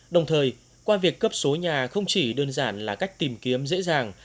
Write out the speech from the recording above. đồng thời qua việc cấp số nhà không chỉ đơn giản là cách tìm kiếm dễ dàng